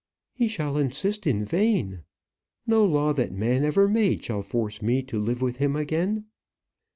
"He shall insist in vain. No law that man ever made shall force me to live with him again."